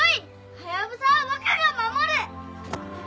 ハヤブサは僕が守る！